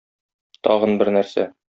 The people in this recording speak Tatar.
Тагын бер нәрсә.